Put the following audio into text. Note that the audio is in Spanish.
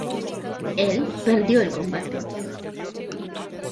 Él perdió el combate.